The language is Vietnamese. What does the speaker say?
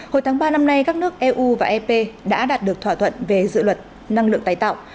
hồi tháng ba năm nay các nước eu và ep đã đạt được thỏa thuận về dự luật năng lượng tái tạo